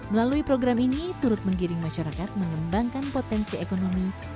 melalui program ini turut menggiring masyarakat mengembangkan potensi ekonomi